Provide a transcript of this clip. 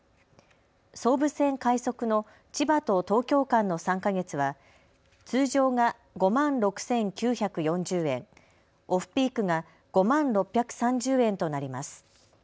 総武線・快速の千葉と東京間の３か月は通常が５万６９４０円、オフピークが５万６３０円となります。